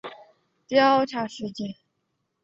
各政党以及相关协会要求新疆当局调查事件。